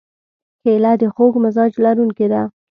کېله د خوږ مزاج لرونکې ده.